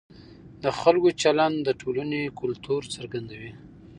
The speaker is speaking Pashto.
د خلکو چلند د ټولنې کلتور څرګندوي.